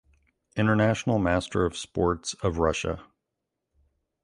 International Master of Sports of Russia.